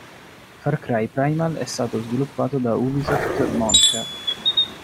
Far Cry Primal è stato sviluppato da Ubisoft Montreal.